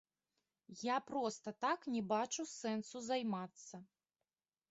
Я проста так не бачу сэнсу займацца.